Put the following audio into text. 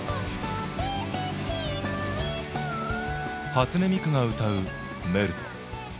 初音ミクが歌う「メルト」。